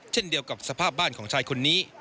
เช่นเดียวกับสภาพบ้านของชายคนนี้